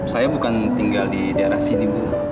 saya bukan tinggal di daerah sini bu